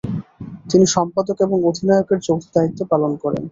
তিনি সম্পাদক ও অধিনায়কের যৌথ দায়িত্ব পালন করেন।